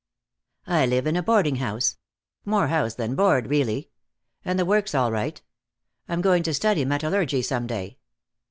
"I live in a boarding house. More house than board, really. And the work's all right. I'm going to study metallurgy some day.